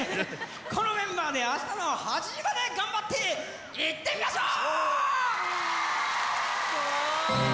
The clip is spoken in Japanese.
このメンバーであしたの８時まで頑張っていってみましょう！